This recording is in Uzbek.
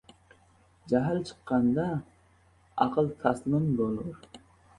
— Jahl chiqqanda, aql taslim bo‘lur.